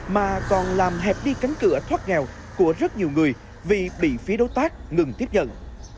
mà còn làm hẹp đi cánh cửa thoát nghèo của rất nhiều người vì bị phía đối tác ngừng tiếp nhận